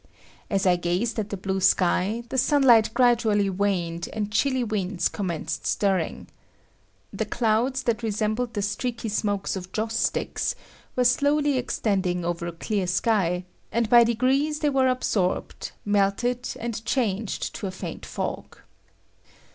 As I gazed at the blue sky, the sunlight gradually waned and chilly winds commenced stirring. The clouds that resembled the streaky smokes of joss sticks were slowly extending over a clear sky, and by degrees they were absorbed, melted and changed to a faint fog.